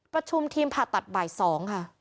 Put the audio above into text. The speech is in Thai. ประชุมทีมผ่าตัดบ่าย๒ค่ะ